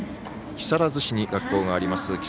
木更津市に学校があります